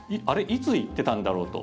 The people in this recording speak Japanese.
いつ行ってたんだろうと。